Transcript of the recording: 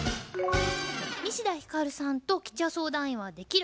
西田ひかるさんと吉弥相談員は「できる」